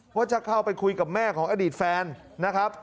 ว่าจะเข้าไปคุยกับแม่ของอดีตแฟนนะครับ